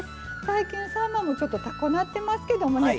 最近さんまもちょっと高うなってますけどもね